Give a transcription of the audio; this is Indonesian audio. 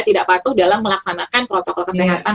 tidak patuh dalam melaksanakan protokol kesehatan